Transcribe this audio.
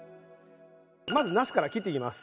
まずなすから切っていきます。